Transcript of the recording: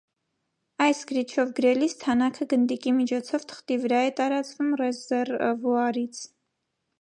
Այս գրիչով գրելիս թանաքը գնդիկի միջոցով թղթի վրա է տարածվում ռեզերվուարից։